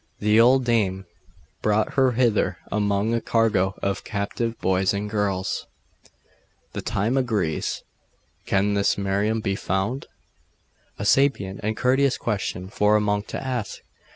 'The old dame brought her hither among a cargo of captive boys and girls.' 'The time agrees.... Can this Miriam be found?' 'A sapient and courteous question for a monk to ask!